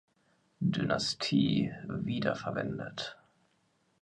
Dynastie wiederverwendet.